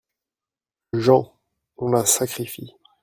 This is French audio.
JEAN : On la sacrifie.